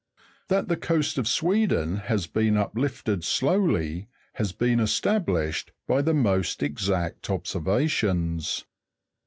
That the coast of Sweden has been uplifted slowly, has been established by the most exact observations.